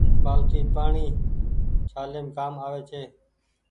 بآلٽي پآڻيٚ ڇآليم ڪآم آوي ڇي۔